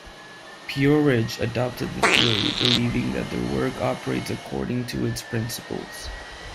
P-Orridge adopted this theory, believing that their work operates according to its principles.